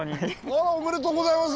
あらおめでとうございます。